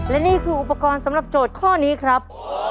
และนี่คืออุปกรณ์สำหรับโจทย์ข้อนี้ครับ